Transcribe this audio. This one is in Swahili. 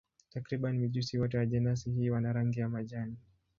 Takriban mijusi wote wa jenasi hii wana rangi ya majani.